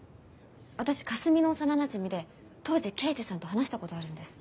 私かすみの幼なじみで当時刑事さんと話したことあるんです。